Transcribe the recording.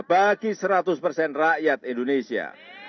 bagi seratus persen rakyat indonesia